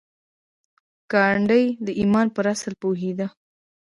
ګاندي د ايمان پر اصل پوهېده.